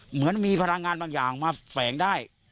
เหมือนมีพลังงานบางอย่างมาแฝงได้